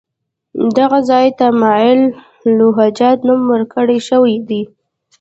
دغه ځای ته ممر الوجحات نوم ورکړل شوی دی.